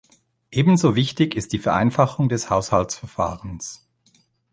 Ebenso wichtig ist die Vereinfachung des Haushaltsverfahrens.